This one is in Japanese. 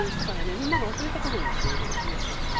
みんなが忘れた頃にということがありましたから。